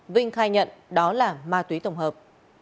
vinh khai nhận đó là ma túy tổng hợp